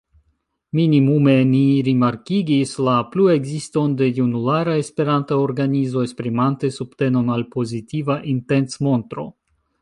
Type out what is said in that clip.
Minimume ni rimarkigis la pluekziston de junulara esperanta organizo esprimante subtenon al pozitiva intencmontro.